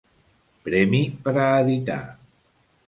Premi per a editar.